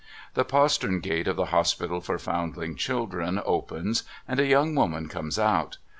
The postern gate of the Hospital for Foundling Children opens, and a young woman comes out.